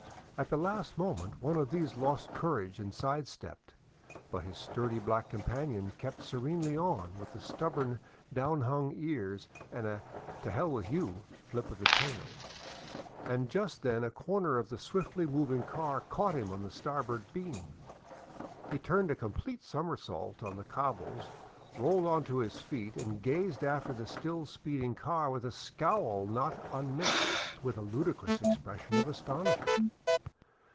At the last moment one of these lost courage and side stepped, but his sturdy black companion kept serenely on, with stubborn down hung ears and a " to hell with you " flip of the tail — and just then a corner of the swiftly moving car caught him on the starboard beam. He turned a complete somersault on the cobbles, rolled on to his feet, and gazed after the still speeding car with a scowl not unmixed with a ludicrous expression of astonishment.